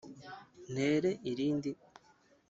“ntere irindi